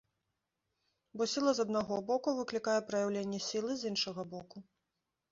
Бо сіла з аднаго боку выклікае праяўленне сілы з іншага боку.